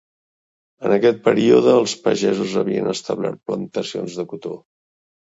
En aquest període, els pagesos havien establert plantacions de cotó.